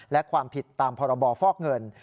และความผิดตามพรบฟอกเงิน